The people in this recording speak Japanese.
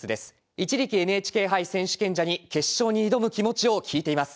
一力ＮＨＫ杯選手権者に決勝に挑む気持ちを聞いています。